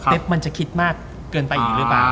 เบ๊บมันจะคิดมากเกินไปหรือเปล่า